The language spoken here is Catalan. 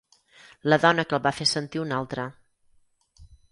La dona que el va fer sentir un altre.